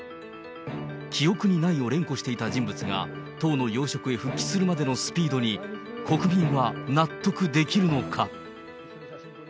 記憶にないを連呼していた人物が、党の要職へ復帰するまでのスピードに、国民は納得できるのか。